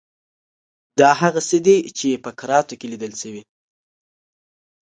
دا هغه څه دي چې په کراتو لیدل شوي.